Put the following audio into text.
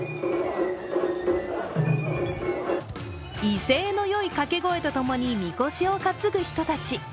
威勢のよいかけ声とともにみこしを担ぐ人たち。